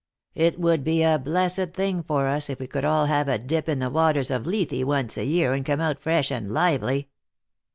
It would be a blessed thing for us if we could all have a dip in the waters of Lethe once a year, and come out fresh and lively."